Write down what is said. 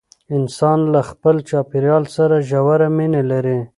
انسان له خپل چاپیریال سره ژوره مینه لري.